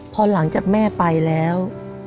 พอหลังจากแม่ไปแล้ว